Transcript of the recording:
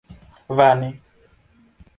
Vane.